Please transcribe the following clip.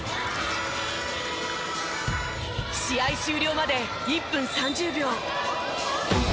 試合終了まで１分３０秒。